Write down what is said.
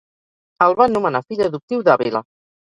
El van nomenar fill adoptiu d'Àvila.